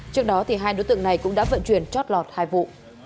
trước đó hai đối tượng này cũng đã vận chuyển chót lọt hai vụ